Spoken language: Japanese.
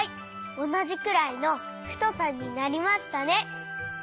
おなじくらいのふとさになりましたね。